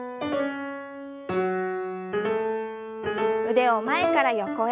腕を前から横へ。